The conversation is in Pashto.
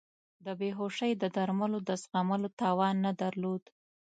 د بیهوشۍ د درملو د زغملو توان نه درلود.